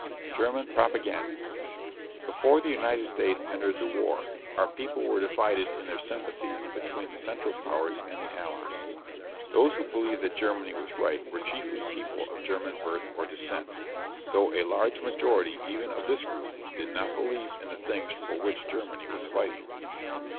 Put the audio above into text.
GERMAN PROPAGANDA. Before the United States entered the war, our people were divided in their sympathies between the Central Powers and the Allies. Those who believed that Germany was right were chiefly people of German birth or descent, though a large majority even of this group did not believe in the things for which Germany was fighting.